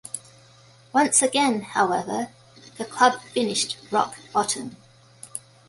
Once again however the club finished rock bottom.